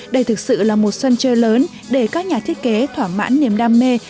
đây thực sự là một sân chơi lớn để các nhà thiết kế thỏa mãn niềm đam mê